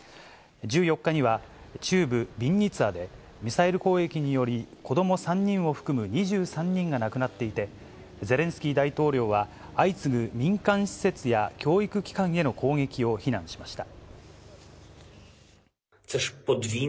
１４日には中部、ビンニツァで、ミサイル攻撃により、子ども３人を含む２３日が亡くなっていて、ゼレンスキー大統領は、相次ぐ民間施設や教育機関への攻撃を非難しました。